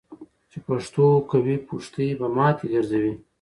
چی پښتو کوی ، پښتي به ماتی ګرځوي .